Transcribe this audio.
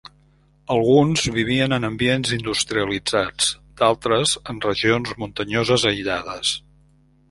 Alguns vivien en ambients industrialitzats, d'altres en regions muntanyoses aïllades.